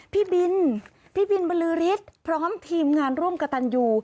พี่บิลเบลือริตพร้อมทีมงานร่วมกับ